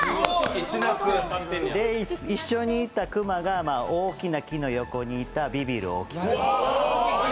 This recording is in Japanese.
一緒にいたクマが、大きな木の横にいたビビる大木さん。